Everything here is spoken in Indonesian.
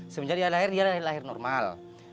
sebenarnya dia lahir normal